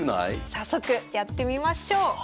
早速やってみましょう。